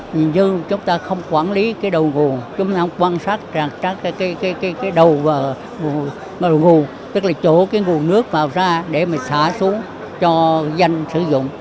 nhưng chúng ta không quản lý cái đầu nguồn chúng ta không quan sát cái đầu nguồn tức là chỗ cái nguồn nước vào ra để mà xả xuống cho danh sử dụng